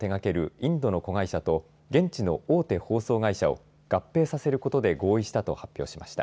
インドの子会社と現地の大手放送会社を合併させることで合意したと発表しました。